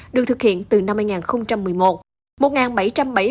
được thực hiện từ năm hai nghìn một mươi một